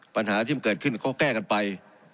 ปัญหาที่มันเกิดขึ้นก็แก้กันไป